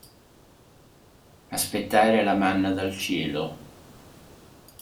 Aspettare la manna del cielo.